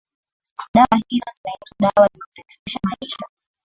dawa hizo zinaitwa dawa za kurefusha maisha